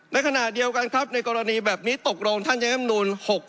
ในขณะเดียวกันครับในกรณีแบบนี้ตกลงท่านใช้คำนูล๖๖